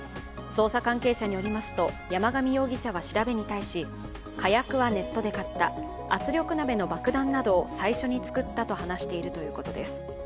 捜査関係者によりますと、山上容疑者は調べに対し、火薬はネットで買った、圧力鍋の爆弾などを最初に作ったなどと話しているということです。